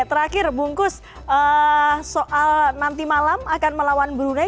terakhir bungkus soal nanti malam akan melawan brunei